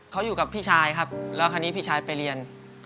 เขาอยู่กับพี่ชายครับแล้วคราวนี้พี่ชายไปเรียน